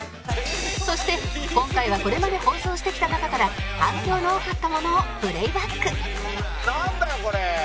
そして今回はこれまで放送してきた中から反響の多かったものをプレーバック